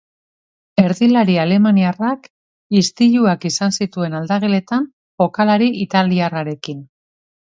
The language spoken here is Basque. Erdilari alemaniarrak istuluak izan zituen aldageletan jokalari italiarrarekin.